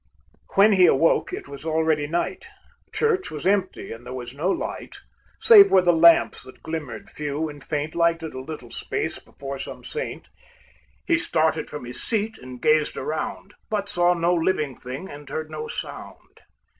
When he awoke it was already night; The church was empty, and there was no light, Save where the lamps, that glimmered few and faint, Lighted a little space before some saint. He started from his seat and gazed around, But saw no living thing and heard no sound.